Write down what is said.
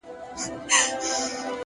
هره ستونزه د حل لاره لري،